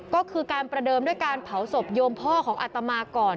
ก็คือการประเดิมด้วยการเผาศพโยมพ่อของอัตมาก่อน